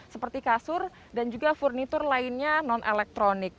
seperti kasur dan juga furnitur lainnya non elektronik